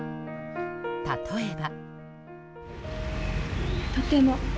例えば。